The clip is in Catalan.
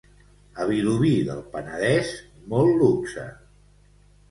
A Vilobí del Penedès, molt luxe.